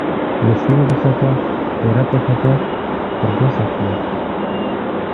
مِسنِنگ پو سہ ژوخ، صُورت پو سہ ژوخ رگو سہ ژوخ